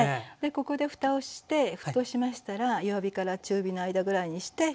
ここでふたをして沸騰しましたら弱火から中火の間ぐらいにして１０分。